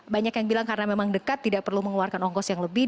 banyak yang bilang karena memang dekat tidak perlu mengeluarkan ongkos yang lebih